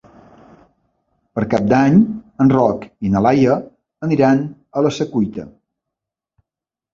Per Cap d'Any en Roc i na Laia aniran a la Secuita.